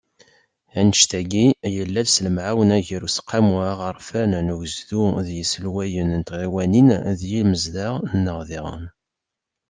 Annect-agi, yella-d s lemɛawna gar Useqqamu Aɣerfan n Ugezdu d yiselwayen n tɣiwanin d yimezdaɣ-nneɣ diɣen.